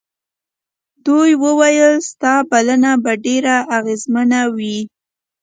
دوی وویل ستا بلنه به ډېره اغېزمنه وي.